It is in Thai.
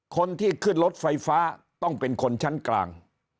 คนที่ขึ้นรถไฟฟ้าต้องเป็นคนชั้นกลาง